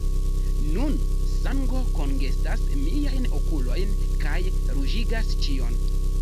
Nun, sango kongestas miajn okulojn, kaj ruĝigas ĉion.